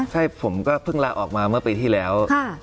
ใช่ผมก็เพิ่งลาออกมาเมื่อปีที่แล้ว